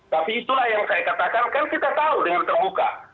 tapi itulah yang saya katakan kan kita tahu dengan terbuka